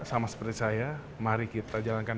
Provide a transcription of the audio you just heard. sama seperti saya mari kita jalankan